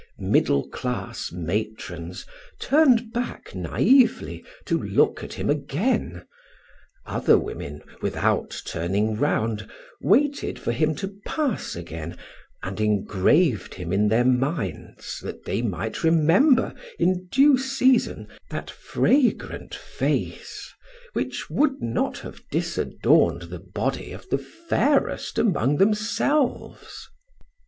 Middle class matrons turned back naively to look at him again; other women, without turning round, waited for him to pass again, and engraved him in their minds that they might remember in due season that fragrant face, which would not have disadorned the body of the fairest among themselves.